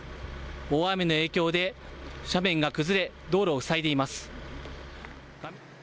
大雨の影響で斜面が崩れ、道路を塞いでいます。